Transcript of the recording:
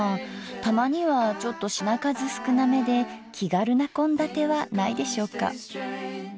たまにはちょっと品数少なめで気軽な献立はないでしょうか？